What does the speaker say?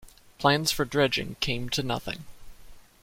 Plans for dredging came to nothing.